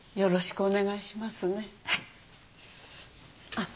あっ。